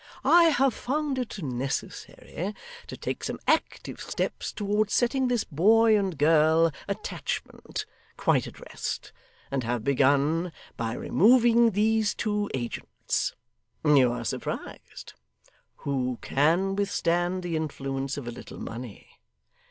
'I have found it necessary to take some active steps towards setting this boy and girl attachment quite at rest, and have begun by removing these two agents. You are surprised? Who CAN withstand the influence of a little money!